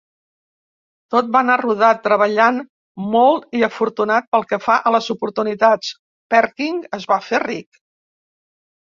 Tot va anar rodat: treballant molt i afortunat pel que fa a les oportunitats, Perkin es va fer ric.